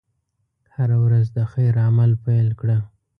هره ورځ د خیر عمل پيل کړه.